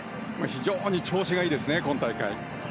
非常に調子がいいですね今大会。